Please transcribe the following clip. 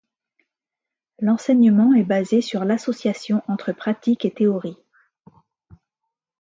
L'enseignement est basé sur l'association entre pratique et théorie.